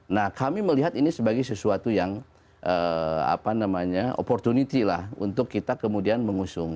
nah kami melihat ini sebagai sesuatu yang opportunity lah untuk kita kemudian mengusung